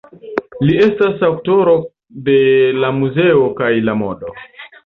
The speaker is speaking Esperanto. Li estas aŭtoro de ""La Muzo kaj la Modo"".